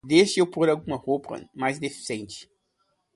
Deixe eu por alguma roupa mais decente.